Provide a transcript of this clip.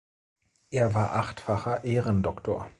Er war achtfacher Ehrendoktor.